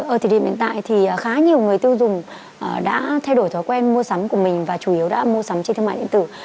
ở thời điểm hiện tại thì khá nhiều người tiêu dùng đã thay đổi thói quen mua sắm của mình và chủ yếu đã mua sắm trên thương mại điện tử